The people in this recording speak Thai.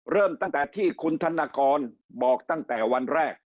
เริ่มตั้งแต่ที่คุณธนกรบอกตั้งแต่วันแรก